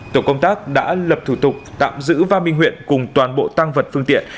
tổ công tác đã lập thủ tục tạm giữ va minh huyện cùng toàn bộ tăng vật phương tiện